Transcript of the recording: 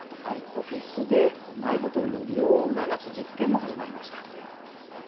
オフィスでマイボトルの利用を促す実験も始まりました。